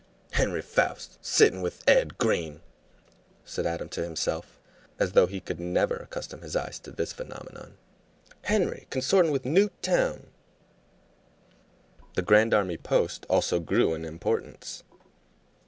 "Henry Foust sittin' with Ed Green!" said Adam to himself, as though he could never accustom his eyes to this phenomenon. "Henry consortin' with Newt Towne!" The Grand Army post also grew in importance.